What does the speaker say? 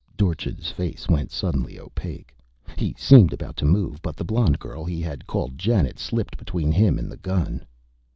Dorchin's face went suddenly opaque. He seemed about to move; but the blonde girl he had called Janet slipped between him and the gun.